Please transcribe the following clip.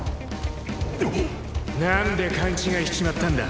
なんで勘違いしちまったんだ